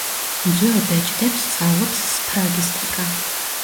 ძველ ბეჭდებს სწავლობს სფრაგისტიკა.